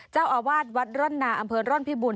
เจ้าอาวาสวัดร่อนนาอำเภอร่อนพิบูร